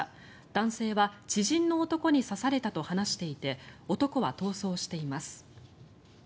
男性は知人の男に刺されたと話していて男は逃走しています。